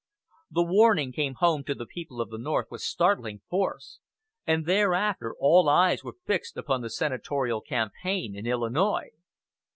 The warning came home to the people of the North with startling force, and thereafter all eyes were fixed upon the senatorial campaign in Illinois.